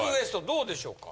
どうでしょうか？